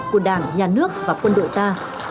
của đảng nhà nước và quân đội ta